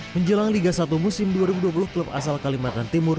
menjelang liga satu musim dua ribu dua puluh klub asal kalimantan timur